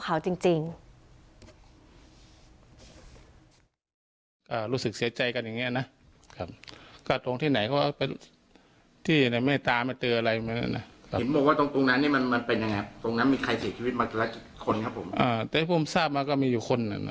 ยังไงตรงนั้นมีใครเสียชีวิตมาแต่ละกี่คนครับผมอ่าแต่ให้พวกมันทราบมาก็มีอยู่คน